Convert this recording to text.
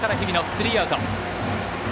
スリーアウト。